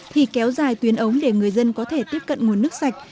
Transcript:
thì kéo dài tuyến ống để người dân có thể tiếp cận nguồn nước sạch